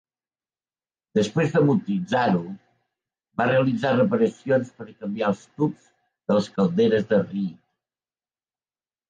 Després d'amortitzar-ho, va realitzar reparacions per canviar els tubs de les calderes de Reed.